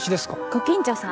ご近所さん。